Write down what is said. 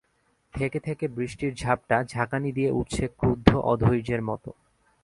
থেকে থেকে বৃষ্টির ঝাপটা ঝাঁকানি দিয়ে উঠছে ক্রুদ্ধ অধৈর্যের মতো।